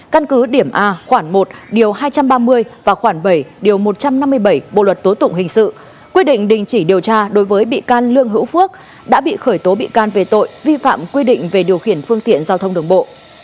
căn cứ điểm a khoảng một điều hai trăm ba mươi và khoảng bảy điều một trăm năm mươi bảy bộ luật tố tụng hình sự quyết định đình chỉ điều tra đối với bị can lương hữu phước đã bị khởi tố bị can về tội vi phạm quy định về điều khiển phương tiện giao thông đường bộ